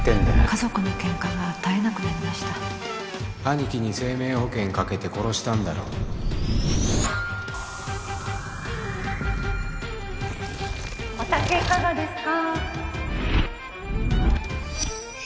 家族のケンカが絶えなくなり兄貴に生命保険かけて殺したんお酒いかがですか？